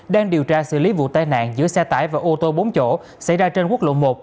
đang điều tra xử lý vụ tai nạn giữa xe tải và ô tô bốn chỗ xảy ra trên quốc lộ một